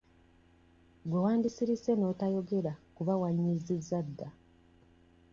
Gwe wandisirise n'otayogera kuba wanyiizizza dda.